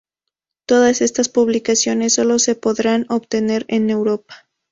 Todas estas publicaciones sólo se podrán obtener en Europa.